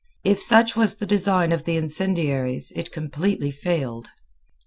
If such was the design of the incendiaries, it completely failed.